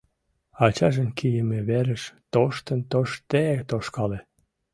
Ачажын кийыме верыш тоштын-тоштде тошкале.